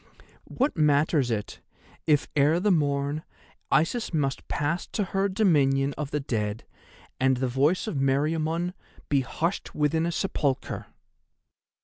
What matters it, if ere the morn Isis must pass to her dominion of the Dead, and the voice of Meriamun be hushed within a sepulchre?